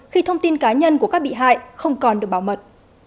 khi thông tin cá nhân của các bị hại không còn được bảo mật